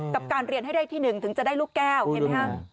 กับการเรียนให้ได้ที่๑ถึงจะได้ลูกแก้วเห็นไหมครับ